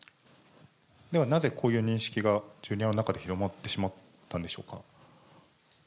ではなぜこういう認識がジュニアの中で広まってしまったんでしょうか。